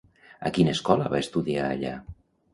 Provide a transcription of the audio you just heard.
A quina escola va estudiar allà?